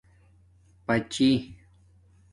پاچی